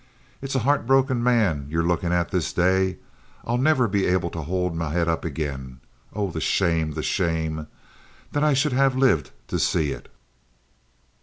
It's a heartbroken man you're lookin' at this day. I'll never be able to hold me head up again. Oh, the shame—the shame! That I should have lived to see it!"